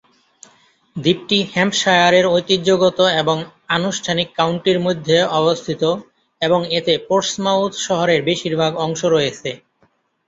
দ্বীপটি হ্যাম্পশায়ারের ঐতিহ্যগত এবং আনুষ্ঠানিক কাউন্টির মধ্যে অবস্থিত এবং এতে পোর্টসমাউথ শহরের বেশিরভাগ অংশ রয়েছে।